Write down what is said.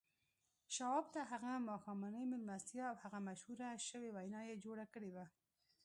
شواب ته هغه ماښامنۍ مېلمستیا او هغه مشهوره شوې وينا يې جوړه کړې وه.